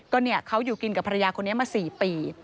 ก็เนี่ยเขาอยู่กินกับภรรยาคนนี้มา๔ปี